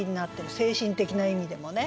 精神的な意味でもね。